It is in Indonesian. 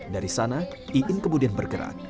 dari sana iin kemudian bergerak